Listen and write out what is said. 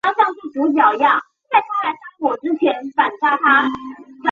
全景廊街。